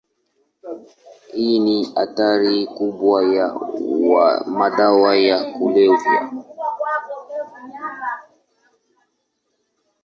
Hii ni athari kubwa ya madawa ya kulevya.